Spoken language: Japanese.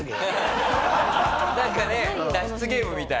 なんかね脱出ゲームみたい。